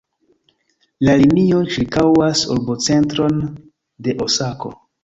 La linio ĉirkaŭas urbocentron de Osako.